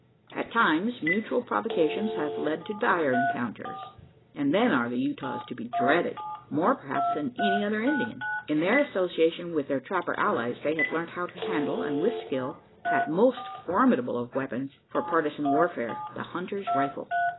At times, mutual provocations have led to dire encounters; and then are the Utahs to be dreaded more, perhaps, than any other Indians. In their association with their trapper allies, they have learnt how to handle and with skill that most formidable of weapons, for partisan warfare the hunter's rifle.